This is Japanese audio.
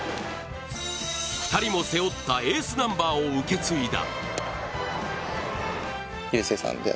２人も背負ったエースナンバーを受け継いだ。